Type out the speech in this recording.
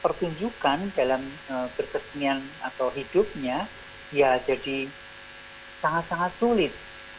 pertunjukan dalam berkesenian atau hidupnya ya jadi sangat sangat sulit